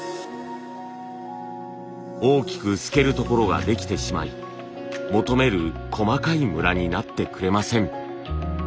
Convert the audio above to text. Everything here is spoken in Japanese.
大きく透けるところができてしまい求める細かいムラになってくれません。